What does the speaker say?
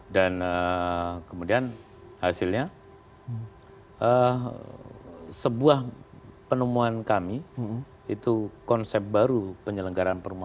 dan kemudian hasilnya sebuah penemuan kami itu konsep baru penyelenggaraan perumahan